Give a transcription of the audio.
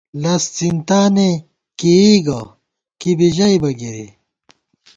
لز څِنتانےکېئی گہ، کی بی ژَئیبہ گِرِی